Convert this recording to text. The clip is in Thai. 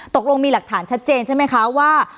ตกลงมีหลักฐานชัดเจนใช่ไหมคะว่า